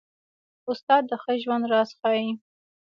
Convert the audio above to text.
استاد د ښه ژوند راز ښيي.